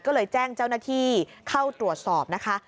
ก็เลยแจ้งเจ้าหน้าที่เข้าตรวจสอบนะคะ